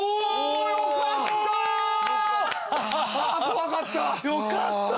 怖かった。